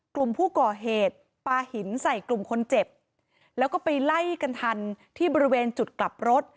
กลุ่มผู้ก่อเหตุปลาหินใส่กลุ่มคนเจ็บแล้วก็ไปไล่กันทันที่บริเวณจุดกลับรถ